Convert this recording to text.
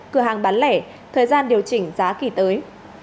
cửa hàng bán lẻ thời gian điều chỉnh giá kỳ tới